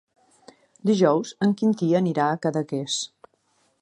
Dijous en Quintí anirà a Cadaqués.